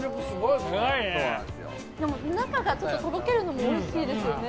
でも中がとろけるのもおいしいですね。